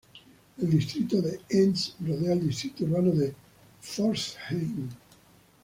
El Distrito de Enz rodea al distrito urbano de Pforzheim.